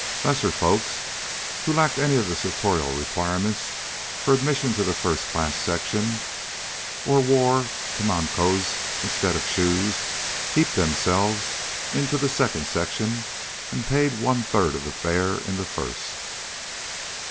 Lesser folk who lacked any of the sartorial requirements for admission to the first class section, or wore tomancos instead of shoes, heaped themselves into the second section and paid one third of the fare in the first.